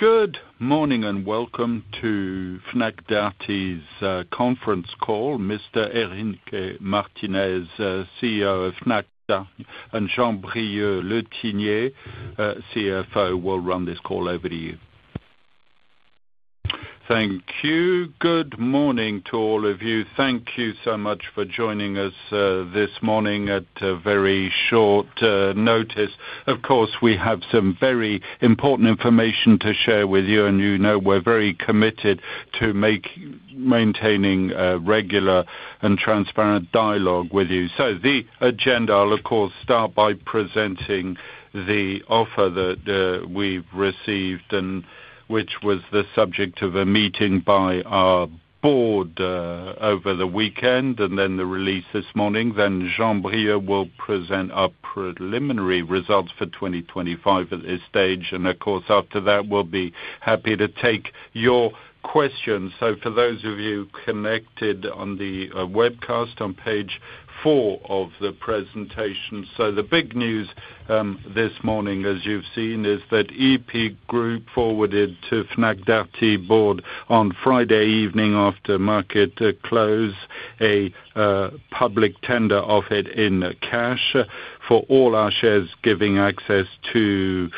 Good morning, and welcome to Fnac Darty's Conference Call. Mr. Enrique Martinez, CEO of Fnac Darty, and Jean-Brieuc Le Tinier, CFO, will run this call. Over to you. Thank you. Good morning to all of you. Thank you so much for joining us this morning at very short notice. Of course, we have some very important information to share with you, and you know we're very committed to maintaining a regular and transparent dialogue with you. So the agenda, I'll of course start by presenting the offer that we've received and which was the subject of a meeting by our board over the weekend, and then the release this morning. Then Jean-Brieuc will present our preliminary results for 2025 at this stage, and of course, after that, we'll be happy to take your questions. So for those of you connected on the webcast, on page 4 of the presentation. So the big news this morning, as you've seen, is that EP Group forwarded to Fnac Darty board on Friday evening after market close a public tender offer in cash for all our shares, giving access to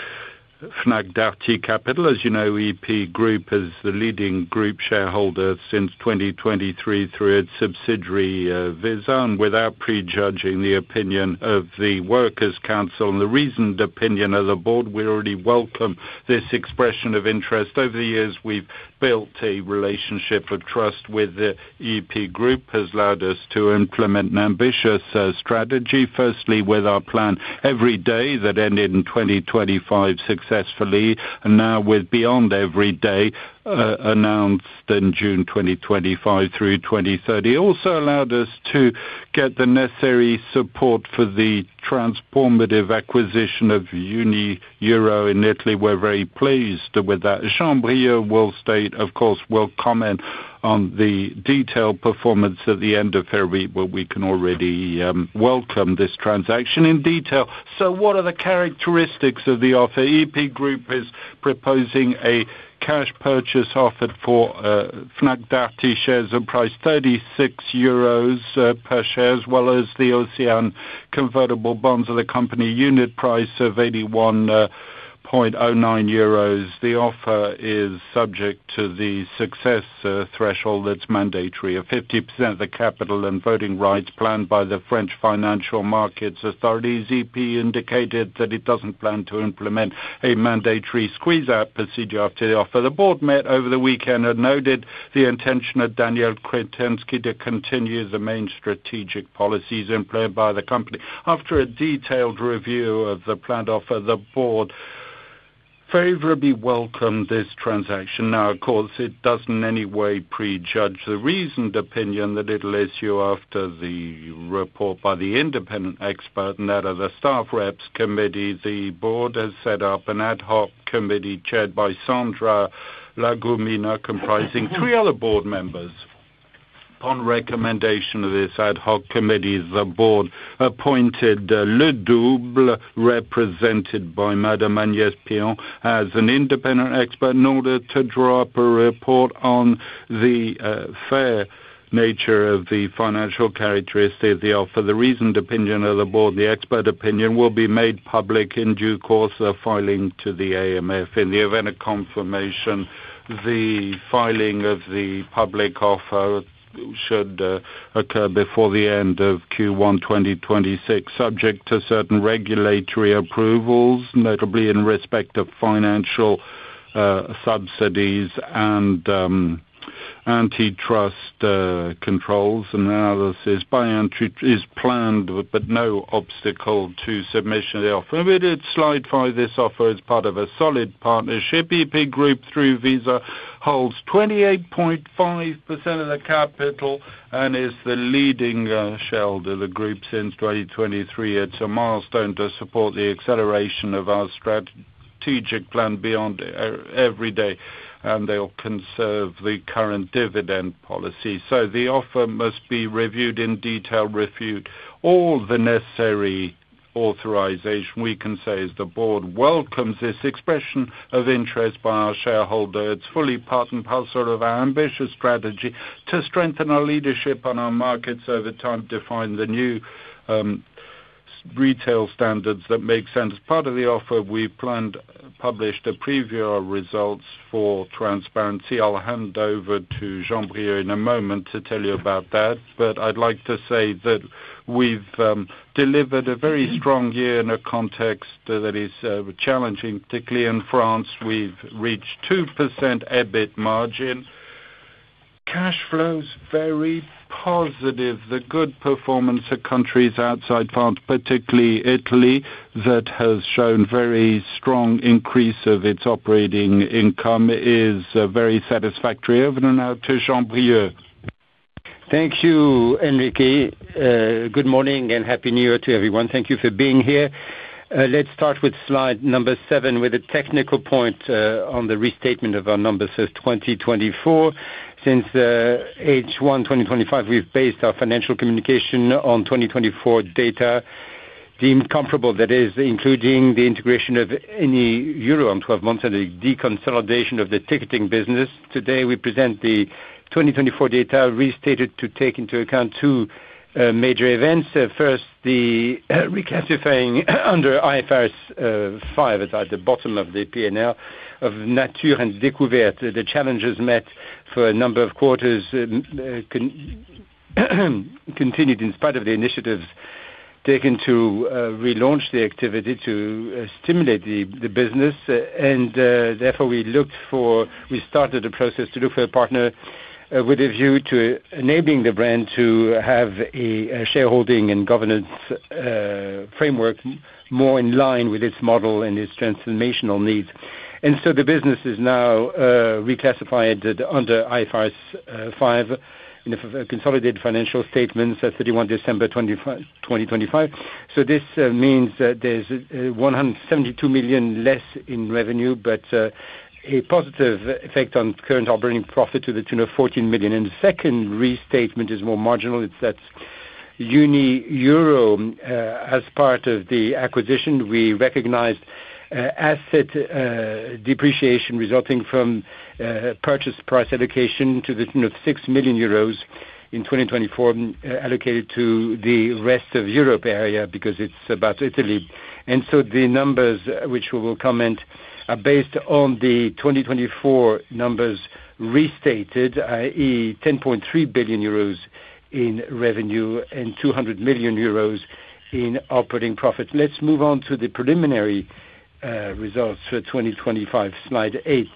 Fnac Darty capital. As you know, EP Group is the leading group shareholder since 2023 through its subsidiary, Vesa. Without prejudging the opinion of the Workers' Council and the reasoned opinion of the board, we already welcome this expression of interest. Over the years, we've built a relationship of trust with the EP Group, has allowed us to implement an ambitious strategy. Firstly, with our plan Everyday that ended in 2025 successfully, and now with Beyond Everyday, announced in June 2025 through 2030. Also allowed us to get the necessary support for the transformative acquisition of Unieuro in Italy. We're very pleased with that. Jean-Brieuc Le Tinier will state, of course, will comment on the detailed performance at the end of February, but we can already welcome this transaction in detail. So what are the characteristics of the offer? EP Group is proposing a cash purchase offer for Fnac Darty shares of price 36 euros per share, as well as the OCEANE convertible bonds of the company, unit price of 81.09 euros. The offer is subject to the success threshold that's mandatory of 50% of the capital and voting rights planned by the French financial markets authorities. EP indicated that it doesn't plan to implement a mandatory squeeze-out procedure after the offer. The board met over the weekend and noted the intention of Daniel Kretinsky to continue the main strategic policies employed by the company. After a detailed review of the planned offer, the board favorably welcomed this transaction. Now, of course, it doesn't in any way prejudge the reasoned opinion that it will issue after the report by the independent expert and that of the staff reps committee. The board has set up an ad hoc committee, chaired by Sandra Lagumina, comprising three other board members. Upon recommendation of this ad hoc committee, the board appointed Ledouble, represented by Madame Agnès Pierron, as an independent expert in order to draw up a report on the fair nature of the financial characteristics of the offer. The reasoned opinion of the board, the expert opinion, will be made public in due course of filing to the AMF. In the event of confirmation, the filing of the public offer should occur before the end of Q1 2026, subject to certain regulatory approvals, notably in respect of financial subsidies and antitrust controls. Analysis by entry is planned, but no obstacle to submission of the offer. Moving to slide 5, this offer is part of a solid partnership. EP Group, through Vesa, holds 28.5% of the capital and is the leading shareholder of the group since 2023. It's a milestone to support the acceleration of our strategic plan Beyond Everyday, and they'll conserve the current dividend policy. So the offer must be reviewed in detail, reviewed. All the necessary authorization we can say is the board welcomes this expression of interest by our shareholder. It's fully part and parcel of our ambitious strategy to strengthen our leadership on our markets over time, define the new retail standards that make sense. Part of the offer, we planned, published a preview of results for transparency. I'll hand over to Jean-Brieuc in a moment to tell you about that, but I'd like to say that we've delivered a very strong year in a context that is challenging. Particularly in France, we've reached 2% EBIT margin. Cash flows very positive. The good performance of countries outside France, particularly Italy, that has shown very strong increase of its operating income, is very satisfactory. Over now to Jean-Brieuc. Thank you, Enrique. Good morning and happy New Year to everyone. Thank you for being here. Let's start with slide number 7, with a technical point, on the restatement of our numbers for 2024. Since H1 2025, we've based our financial communication on 2024 data deemed comparable, that is including the integration of Unieuro on 12 months and the deconsolidation of the ticketing business. Today, we present the 2024 data restated to take into account two major events. First, the reclassifying under IFRS 5 at the bottom of the P&L of Nature & Découvertes. The challenges met for a number of quarters continued in spite of the initiatives taken to relaunch the activity, to stimulate the business. Therefore, we started a process to look for a partner, with a view to enabling the brand to have a shareholding and governance framework more in line with its model and its transformational needs. So the business is now reclassified under IFRS 5 in the consolidated financial statements as of 31 December 2025. This means that there's 172 million less in revenue, but a positive effect on current operating profit to the tune of 14 million. The second restatement is more marginal; it's that Unieuro, as part of the acquisition, we recognized asset depreciation resulting from purchase price allocation to the tune of 6 million euros in 2024, allocated to the rest of Europe area, because it's about Italy. The numbers, which we will comment, are based on the 2024 numbers restated, i.e., 10.3 billion euros in revenue and 200 million euros in operating profit. Let's move on to the preliminary results for 2025, slide 8.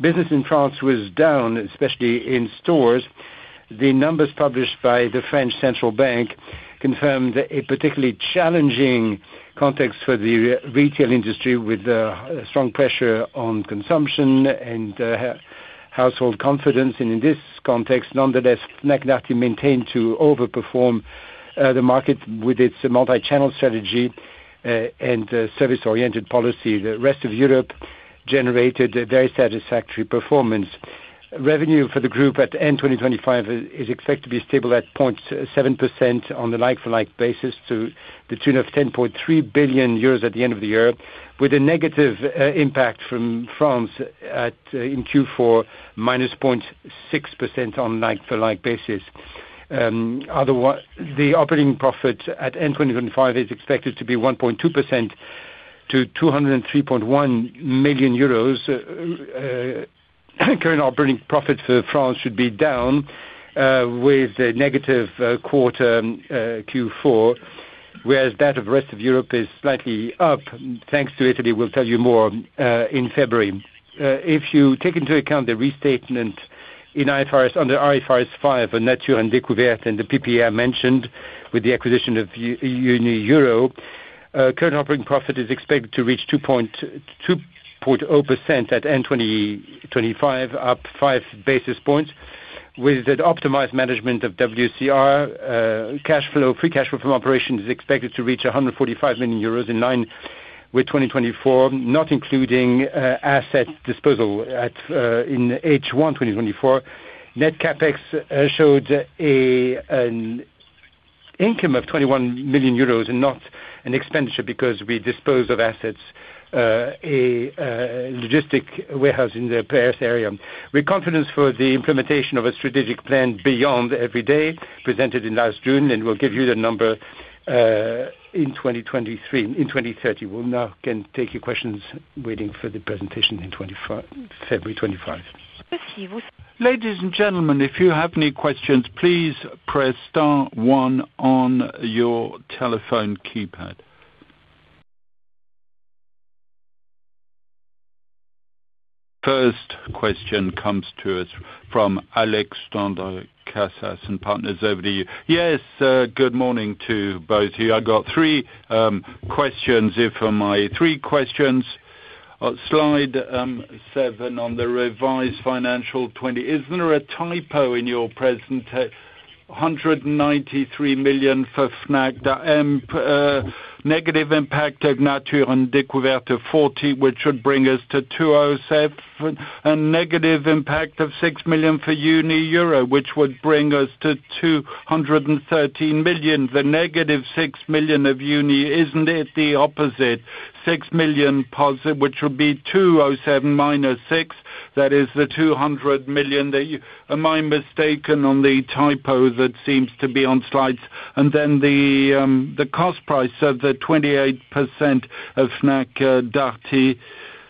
Business in France was down, especially in stores. The numbers published by the Banque de France confirmed a particularly challenging context for the retail industry, with strong pressure on consumption and household confidence. In this context, nonetheless, Fnac Darty maintained to overperform the market with its multichannel strategy and service-oriented policy. The rest of Europe generated a very satisfactory performance. Revenue for the group at end 2025 is expected to be stable at 0.7% on the like-for-like basis, to the tune of 10.3 billion euros at the end of the year, with a negative impact from France in Q4, -0.6% on like-for-like basis. The operating profit at end 2025 is expected to be 1.2% to 203.1 million euros. Current operating profit for France should be down with a negative Q4, whereas that of rest of Europe is slightly up, thanks to Italy. We'll tell you more in February. If you take into account the restatement in IFRS, under IFRS 5, Nature & Découvertes, and the PPA I mentioned with the acquisition of Unieuro, current operating profit is expected to reach 2.0% at end 2025, up five basis points. With the optimized management of WCR, cash flow, free cash flow from operations is expected to reach 145 million euros, in line with 2024, not including asset disposal in H1 2024. Net CapEx showed an income of 21 million euros and not an expenditure because we disposed of assets, a logistics warehouse in the Paris area. We're confident for the implementation of a strategic plan Beyond Everyday, presented last June, and we'll give you the number in 2023--in 2030. We can now take your questions, waiting for the presentation in February 2025. Ladies and gentlemen, if you have any questions, please press star one on your telephone keypad. First question comes to us from Alexandre Stander, Casas and Partners, over to you. Yes, good morning to both of you. I've got three questions. If for my three questions, slide 7 on the revised financial 20, isn't there a typo in your presentation? 193 million for Fnac, the negative impact of Nature & Découvertes 40 million, which should bring us to 207 million, a negative impact of 6 million for Unieuro, which would bring us to 213 million. The negative 6 million of Unie, isn't it the opposite? 6 million positive, which would be 207 million minus 6 million. That is the 200 million that you--am I mistaken on the typo that seems to be on slides? And then the cost price of the 28% of Fnac Darty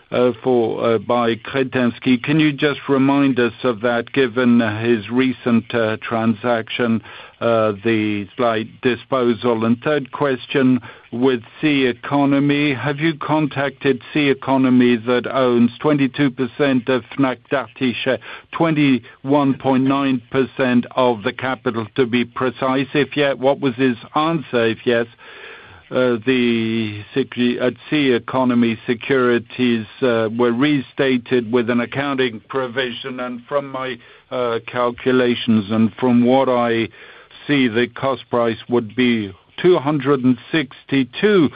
by Kretinsky. Can you just remind us of that, given his recent transaction, the slight disposal? And third question, with Ceconomy, have you contacted Ceconomy that owns 22% of Fnac Darty share, 21.9% of the capital, to be precise? If yeah, what was his answer? If yes, the Ceconomy securities were restated with an accounting provision, and from my calculations and from what I see, the cost price would be 262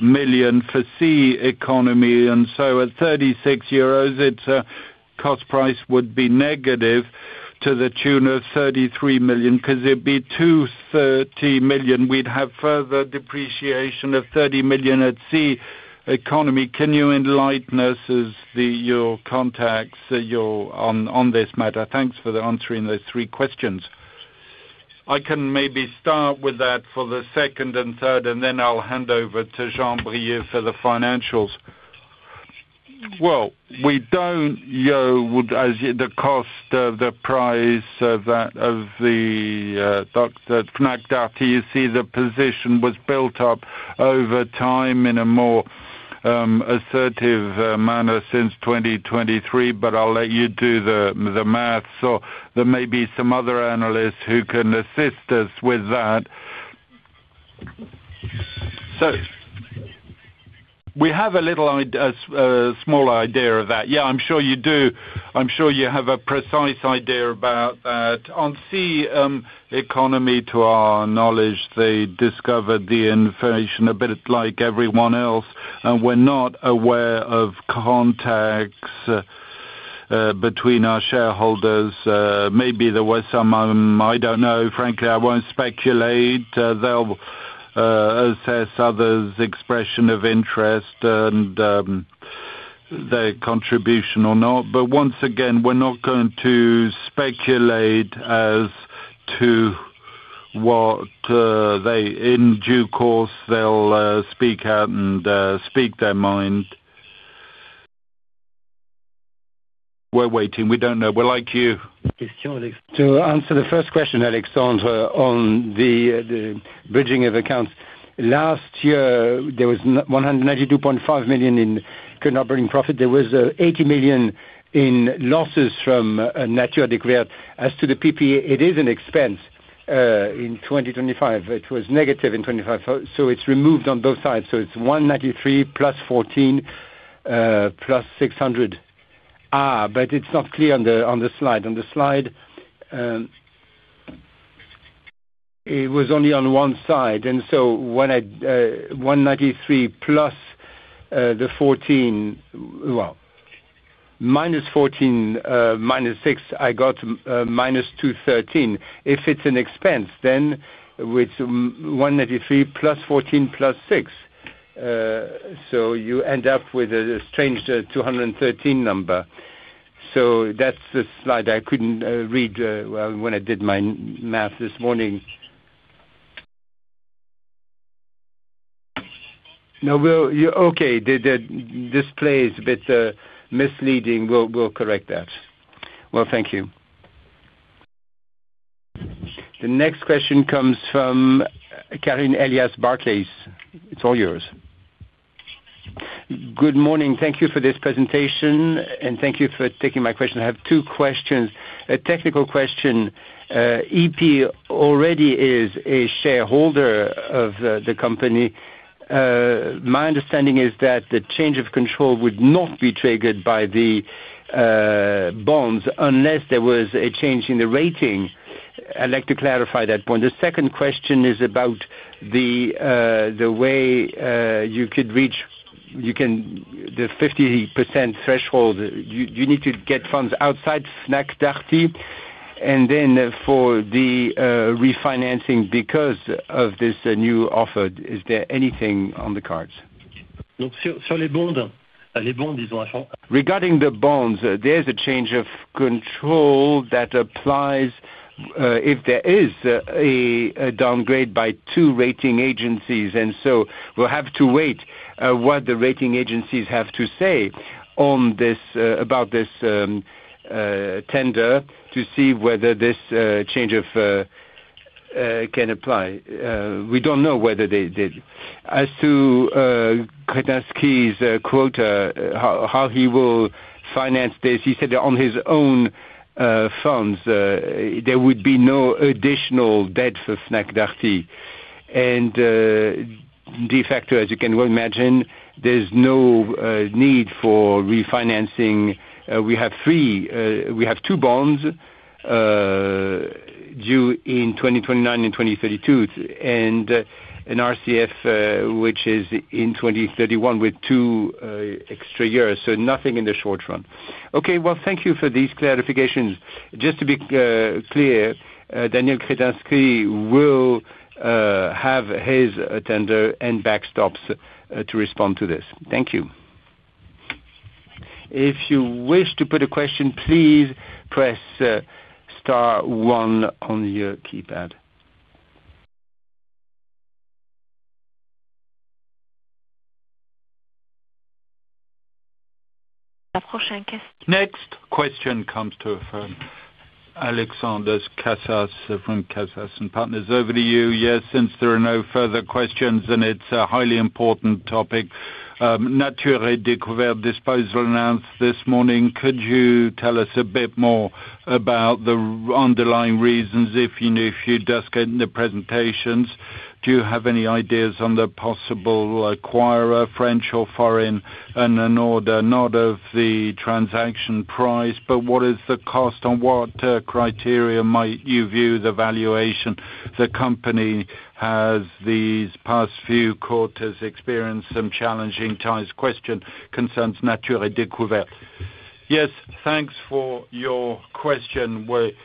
million for Ceconomy, and so at 36 euros, its cost price would be negative to the tune of 33 million, because it'd be 230 million. We'd have further depreciation of 30 million at Ceconomy. Can you enlighten us as to your contacts on this matter? Thanks for answering those three questions. I can maybe start with that for the second and third, and then I'll hand over to Jean-Brieuc for the financials. Well, we don't know what as yet the cost of the price of that, of the. You see, the position was built up over time in a more assertive manner since 2023, but I'll let you do the math. So there may be some other analysts who can assist us with that. So we have a little idea, a small idea of that. Yeah, I'm sure you do. I'm sure you have a precise idea about that. Ceconomy, to our knowledge, they discovered the information a bit like everyone else, and we're not aware of contacts between our shareholders. Maybe there were some. I don't know. Frankly, I won't speculate. They'll assess others' expression of interest and their contribution or not. But once again, we're not going to speculate as to what they--in due course they'll speak out and speak their mind. We're waiting. We don't know. We're like you. To answer the first question, Alexandre, on the bridging of accounts. Last year, there was 192.5 million in continuing operating profit. There was 80 million in losses from Nature & Découvertes. As to the PPA, it is an expense in 2025. It was negative in 2025, so it's removed on both sides. So it's 193 million, plus 14 million, plus 600 million. But it's not clear on the slide. On the slide, it was only on one side, and so when 193 million plus the 14 million, well, minus 14 million, minus 6 million, I got minus 213 million. If it's an expense, then with 193 million plus 14 million plus 6 million, so you end up with a strange 213 million number. So that's the slide I couldn't read well when I did my math this morning. No, well, okay. This play is a bit misleading. We'll correct that. Well, thank you. The next question comes from Karine Elias, Barclays. It's all yours. Good morning. Thank you for this presentation, and thank you for taking my question. I have two questions. A technical question. EP already is a shareholder of the company. My understanding is that the change of control would not be triggered by the bonds unless there was a change in the rating. I'd like to clarify that point. The second question is about the way you can reach the 50% threshold. Do you need to get funds outside Fnac Darty? And then for the refinancing because of this new offer, is there anything on the cards? Regarding the bonds, there's a change of control that applies if there is a downgrade by two rating agencies, and so we'll have to wait what the rating agencies have to say on this about this tender to see whether this change of control can apply. We don't know whether they did. As to Kretinsky's quota, how he will finance this, he said on his own funds. There would be no additional debt for Fnac Darty. De facto, as you can well imagine, there's no need for refinancing. We have two bonds due in 2029 and 2032, and an RCF, which is in 2031 with two extra years, so nothing in the short run. Okay. Well, thank you for these clarifications. Just to be clear, Daniel Kretinsky will have his tender and backstops to respond to this. Thank you. If you wish to put a question, please press star one on your keypad. Next question comes to, Alexandre Stander from Casas and Partners. Over to you. Yes, since there are no further questions, then it's a highly important topic. Nature & Découvertes disposal announced this morning. Could you tell us a bit more about the underlying reasons, if, you know, if you just get in the presentations, do you have any ideas on the possible acquirer, French or foreign, and in order, not of the transaction price, but what is the cost, on what, criteria might you view the valuation? The company has, these past few quarters, experienced some challenging times. Question concerns Nature & Découvertes. Yes, thanks for your question. We,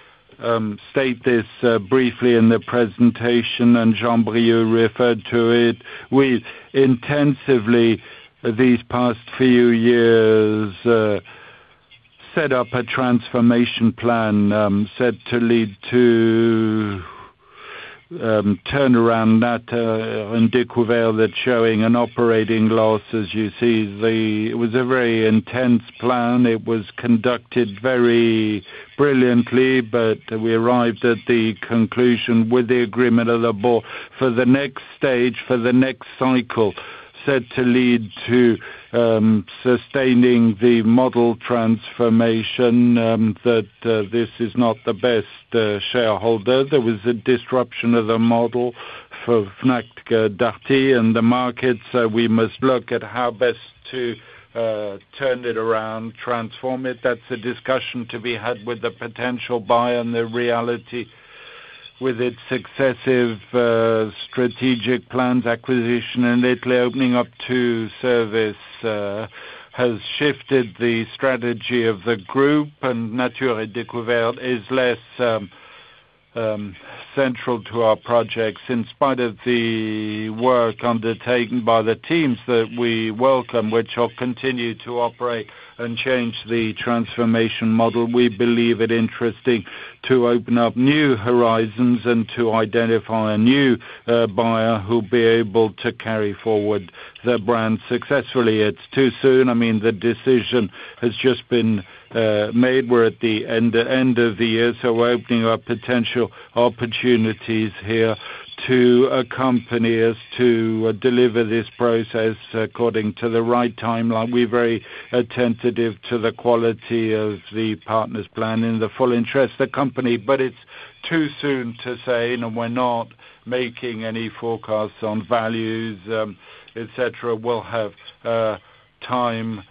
state this, briefly in the presentation, and Jean-Brieuc referred to it. We intensively, these past few years, set up a transformation plan, set to lead to turnaround that in Découvertes that's showing an operating loss. As you see, it was a very intense plan. It was conducted very brilliantly, but we arrived at the conclusion, with the agreement of the board, for the next stage, for the next cycle, set to lead to sustaining the model transformation, that this is not the best shareholder. There was a disruption of the model for Fnac Darty and the markets. We must look at how best to turn it around, transform it. That's a discussion to be had with the potential buyer, and the reality with its successive strategic plans, acquisition, and lately, opening up to service has shifted the strategy of the group, and Nature & Découvertes is less central to our projects. In spite of the work undertaken by the teams that we welcome, which have continued to operate and change the transformation model, we believe it interesting to open up new horizons and to identify a new buyer who'll be able to carry forward the brand successfully. It's too soon. I mean, the decision has just been made. We're at the end, end of the year, so we're opening up potential opportunities here to accompany us to deliver this process according to the right timeline. We're very attentive to the quality of the partners plan in the full interest of the company, but it's too soon to say, and we're not making any forecasts on values, et cetera. We'll have time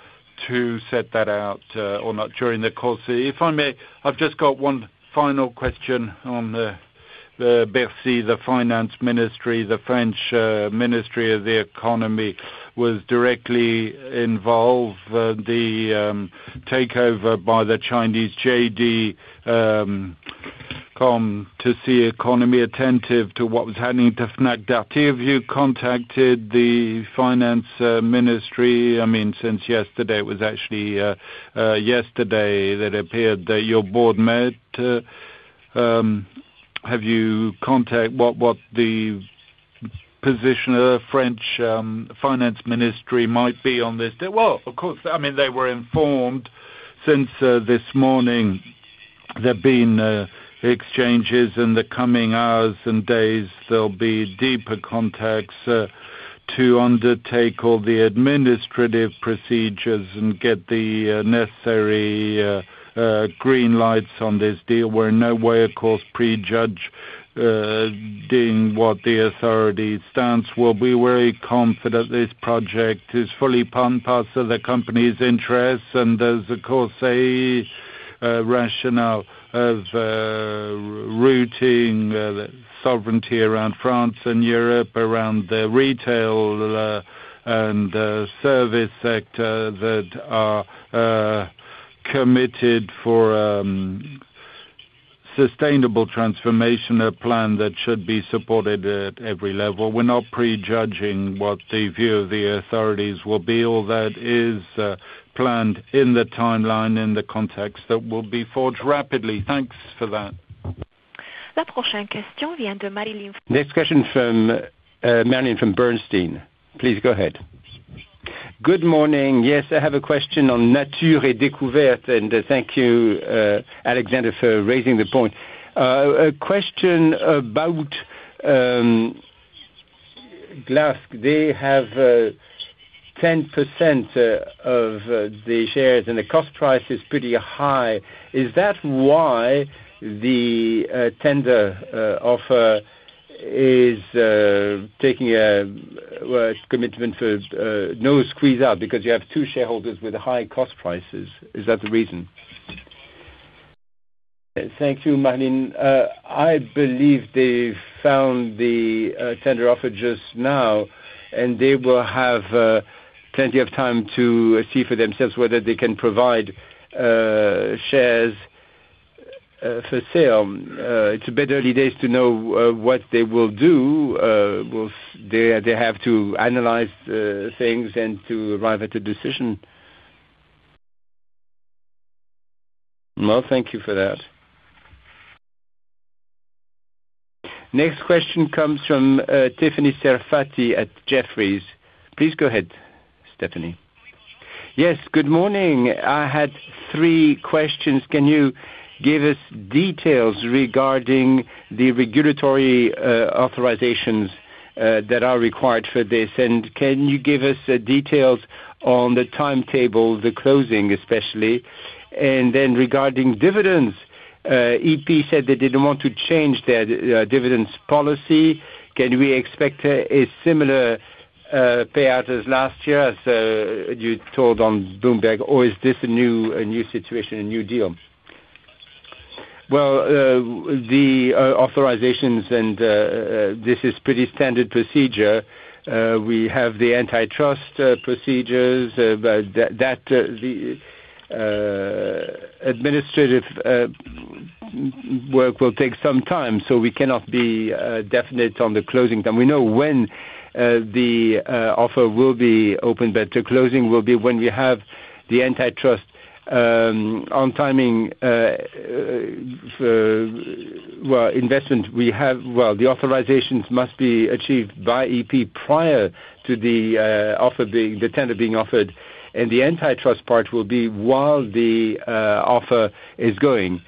to set that out, or not during the course. If I may, I've just got one final question on the Bercy, the finance ministry. The French Ministry of the Economy was directly involved the takeover by the Chinese, JD.com to Ceconomy attentive to what was happening to Fnac Darty. Have you contacted the finance ministry? I mean, since yesterday, it was actually yesterday that appeared that your board met. Have you contact what the position of French finance ministry might be on this? Well, of course. I mean, they were informed since this morning, there have been exchanges. In the coming hours and days, there'll be deeper contacts to undertake all the administrative procedures and get the necessary green lights on this deal. We're in no way, of course, prejudging what the authorities' stance. We're very confident this project is fully part of the company's interests, and there's, of course, a rationale of rooting the sovereignty around France and Europe, around the retail and service sector that are committed for sustainable transformational plan that should be supported at every level. We're not pre-judging what the view of the authorities will be, all that is planned in the timeline, in the context that will be forged rapidly. Thanks for that. The next question from, Marilyn from Bernstein. Please go ahead. Good morning. Yes, I have a question on Nature & Découvertes, and, thank you, Alexandre, for raising the point. A question about, GLAS. They have, 10%, of, the shares, and the cost price is pretty high. Is that why the, tender, offer is, taking a, well, commitment for, no squeeze-out? Because you have two shareholders with high cost prices. Is that the reason? Thank you, Marilyn. I believe they found the tender offer just now, and they will have plenty of time to see for themselves whether they can provide shares for sale. It's a bit early days to know what they will do. Well, they have to analyze things and to arrive at a decision. Well, thank you for that. Next question comes from Tiffany Serfaty at Jefferies. Please go ahead, Tiffany. Yes, good morning. I had three questions. Can you give us details regarding the regulatory authorizations that are required for this? And can you give us the details on the timetable, the closing especially? And then regarding dividends, EP said they didn't want to change their dividends policy. Can we expect a similar payout as last year, as you told on Bloomberg, or is this a new situation, a new deal? Well, the authorizations and this is pretty standard procedure. We have the antitrust procedures, but that the administrative work will take some time, so we cannot be definite on the closing time. We know when the offer will be open, but the closing will be when we have the antitrust on timing well investment we have—Well, the authorizations must be achieved by EP prior to the offer being, the tender being offered, and the antitrust part will be while the offer is going.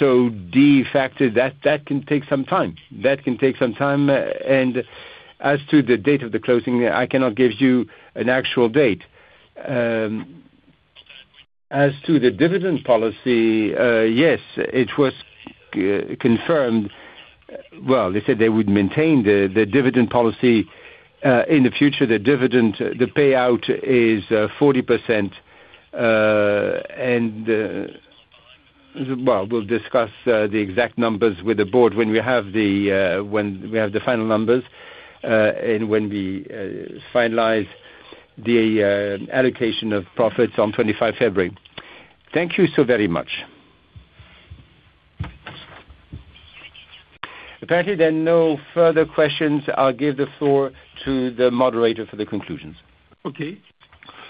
So de facto, that can take some time. That can take some time, and as to the date of the closing, I cannot give you an actual date. As to the dividend policy, yes, it was confirmed. Well, they said they would maintain the dividend policy in the future. The dividend, the payout is 40%, and, well, we'll discuss the exact numbers with the board when we have the final numbers, and when we finalize the allocation of profits on 25 February. Thank you so very much. Apparently, there are no further questions. I'll give the floor to the moderator for the conclusions. Okay.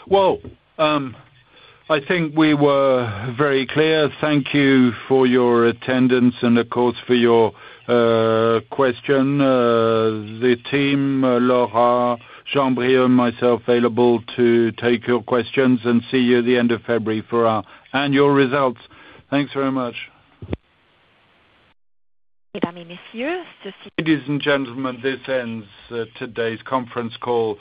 Well, I think we were very clear. Thank you for your attendance and of course, for your question. The team, Laura, Jean-Brieuc, and myself, available to take your questions, and see you at the end of February for our annual results. Thanks very much. Ladies and gentlemen, this ends today's conference call.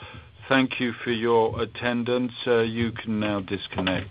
Thank you for your attendance. You can now disconnect.